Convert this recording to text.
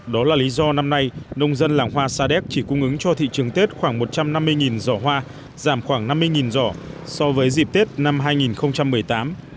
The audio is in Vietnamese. đó là lý do năm nay nông dân làng hoa sa đéc chỉ cung ứng cho thị trường tết khoảng một trăm năm mươi giỏ hoa giảm khoảng năm mươi giỏ so với dịp tết năm hai nghìn một mươi tám